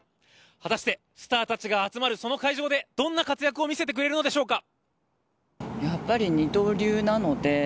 果たして、スターたちが集まるその会場でどんな活躍を見せてくれるのでしょうか。